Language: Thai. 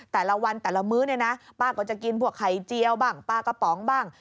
แต่ละวันแต่ละมื้อเนี่ยนะป้าก็จะกินพวกไข่เจียวบ้างปลากระป๋องบ้าง